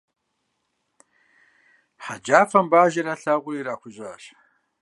Хьэджафэм Бажэр ялъагъури ирахужьащ.